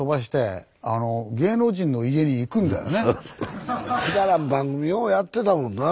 くだらん番組ようやってたもんなぁ。